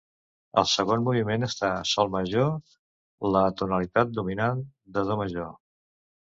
El segon moviment està sol major, la tonalitat dominant de do major.